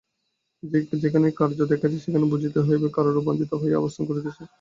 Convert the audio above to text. যেখানেই কার্য দেখা যায়, সেখানেই বুঝিতে হইবে কারণই রূপান্তরিত হইয়া অবস্থান করিতেছে।